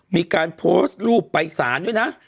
มีการโพสต์รูปไปสารด้วยนะ